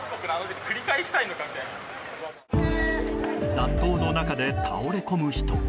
雑踏の中で倒れ込む人。